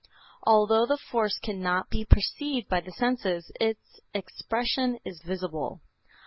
Although the force cannot be perceived by the senses, its expression is visible.